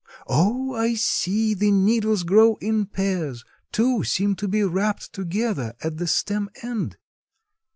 Oh, I see. The needles grow in pairs. Two seem to be wrapped together at the stem end."